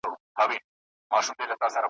ته چي صبر کړې غرور پکښي څرګند دی `